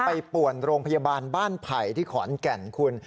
ป่วนโรงพยาบาลบ้านไผ่ที่ขอนแก่นคุณ